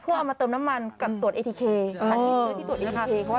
เพื่อเอามาเติมน้ำมันกับตรวจเอทีเคยเพราะว่า